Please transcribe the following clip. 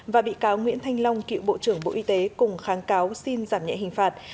và bị cáo nguyễn thanh long cựu bộ trưởng bộ y tế cùng kháng cáo xin giảm nhẹ hình phạt